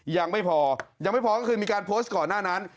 ยังไม่พอยังไม่พอก็คือมีการโพสต์ก่อนหน้านั้น